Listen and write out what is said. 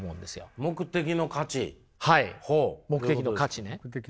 はい目的の価値ね。